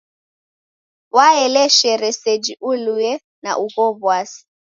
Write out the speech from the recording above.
Waeleshere seji ulue na ugho w'asi.